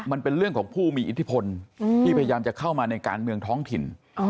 มันเป็นเรื่องของผู้มีอิทธิพลที่พยายามจะเข้ามาในการเมืองท้องถิ่น